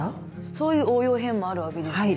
そういう応用編もあるわけですね。